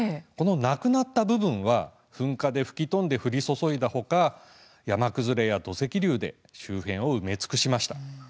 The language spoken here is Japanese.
このなくなった部分は噴火で吹き飛んで降り注いだほか山崩れや土石流で周辺を埋め尽くしました。